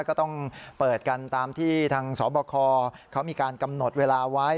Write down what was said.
ก็ต้องเปิดกันตามที่ทางสบคเขามีการกำหนดเวลาไว้